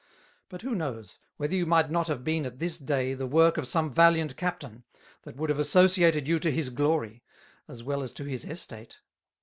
But who knows, whether you might not have been at this day the work of some valiant Captain, that would have associated you to his Glory, as well as to his Estate.